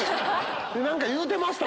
何か言うてました？